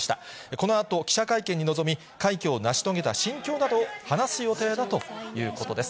このあと記者会見に臨み、快挙を成し遂げた心境などを話す予定だということです。